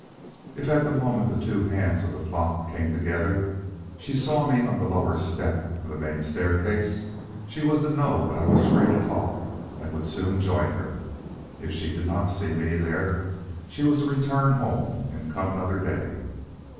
If at the moment the two hands of the clock came together, she saw me on the lower step of the main staircase, she was to know that I was free to talk and would soon join her. If she did not see me there, she was to return home and come another day.